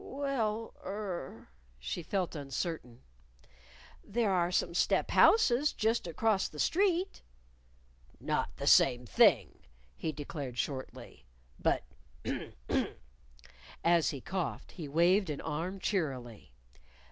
"Well, er," (she felt uncertain) "there are some step houses just across the street." "Not the same thing," he declared shortly. "But, hm! hm!" as he coughed, he waved an arm cheerily.